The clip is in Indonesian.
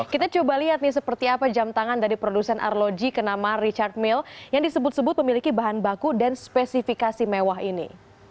kita coba lihat nih seperti apa jam tangan dari produsen arloji kenama richard mill yang disebut sebut memiliki bahan baku dan spesifikasi mewah ini